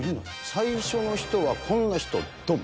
最初の人はこんな人、どん。